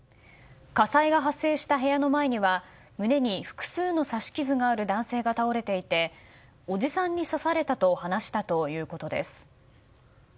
火災が発生した部屋の前には胸に複数の刺し傷がある男性が倒れていておじさんに刺されたと話したということです。